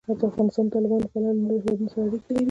افغانستان د تالابونه له پلوه له نورو هېوادونو سره اړیکې لري.